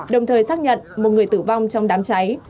đồng thời xác nhận một người tử vong trong trường hợp